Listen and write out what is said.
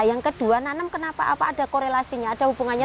yang kedua nanam kenapa ada korelasinya ada hubungannya